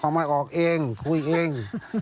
มาออกเองคุยเอง